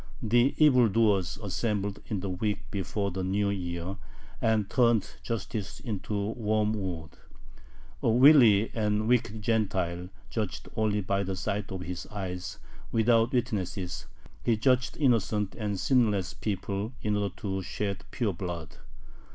The evil doers assembled in the week before the New Year, and turned justice into wormwood. A wily and wicked Gentile judged only by the sight of his eyes, without witnesses; he judged innocent and sinless people in order to shed pure blood.